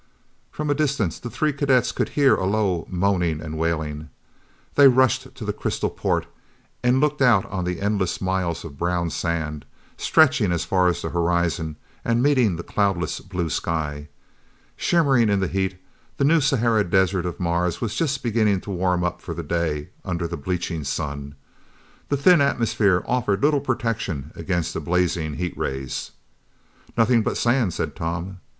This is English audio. From a distance, the three cadets could hear a low moaning and wailing. They rushed to the crystal port and looked out on the endless miles of brown sand, stretching as far as the horizon and meeting the cloudless blue sky. Shimmering in the heat, the New Sahara desert of Mars was just beginning to warm up for the day under the bleaching sun. The thin atmosphere offered little protection against the blazing heat rays. "Nothing but sand," said Tom.